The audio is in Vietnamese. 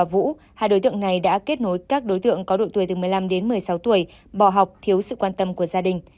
đào và vũ hai đối tượng này đã kết nối các đối tượng có đội tuổi từ một mươi năm đến một mươi sáu tuổi bỏ học thiếu sự quan tâm của gia đình